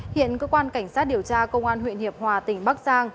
hiện cơ quan cảnh sát điều tra công an huyện hiệp hòa tỉnh bắc giang